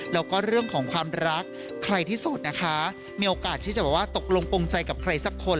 แล้วก็เรื่องของความรักใครที่สุดนะคะมีโอกาสที่จะแบบว่าตกลงปงใจกับใครสักคน